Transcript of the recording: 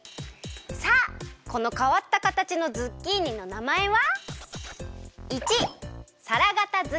さあこのかわったかたちのズッキーニのなまえは？